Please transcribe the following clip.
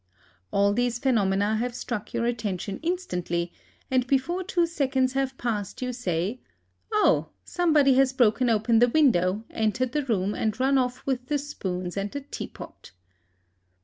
All these phenomena have struck your attention instantly, and before two seconds have passed you say, "Oh, somebody has broken open the window, entered the room, and run off with the spoons and the tea pot!"